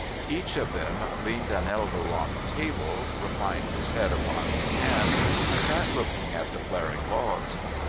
Each of them leaned an elbow on the table, reclined his head upon his hand, and sat looking at the flaring logs.